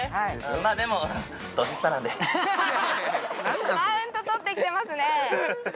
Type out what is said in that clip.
まあでもマウントとってきてますね